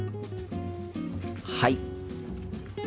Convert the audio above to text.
はい。